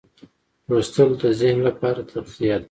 لوستل د ذهن لپاره تغذیه ده.